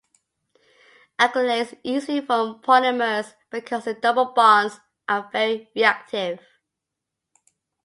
Acrylates easily form polymers because the double bonds are very reactive.